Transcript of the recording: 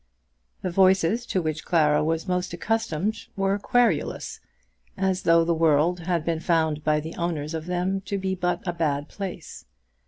The voices to which Clara was most accustomed were querulous, as though the world had been found by the owners of them to be but a bad place.